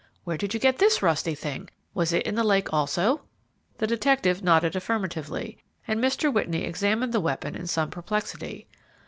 "Where did you get this rusty thing? Was it in the lake, also?" The detective nodded affirmatively, and Mr. Whitney examined the weapon in some perplexity.